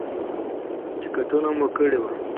ټکټونه مو کړي وو.